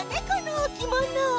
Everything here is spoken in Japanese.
このおきもの。